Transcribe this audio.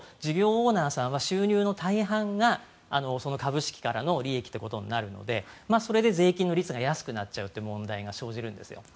オーナーさんは収入の大半がその株式からの利益ということになるのでそれで税金の率が安くなっちゃう問題が生じるんですよ。